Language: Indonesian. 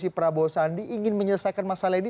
dari prabowo sandi ingin menyelesaikan masalah ini